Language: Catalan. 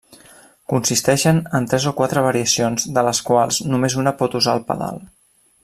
Consisteixen en tres o quatre variacions de les quals només una pot usar el pedal.